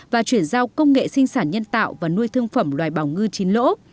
và chuyển giao công nghệ sinh sản nhân tạo và nuôi thương phẩm loài bào ngư chín lỗ